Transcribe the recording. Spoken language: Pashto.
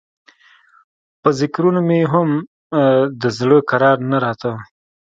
په ذکرونو مې هم د زړه کرار نه راته.